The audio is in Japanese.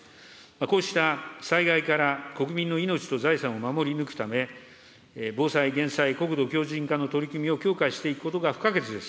こうした災害から国民の命と財産を守り抜くため、防災・減災・国土強じん化の取り組みを強化していくことが不可欠です。